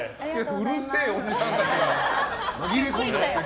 うるせえおじさんたちがのめり込んでますね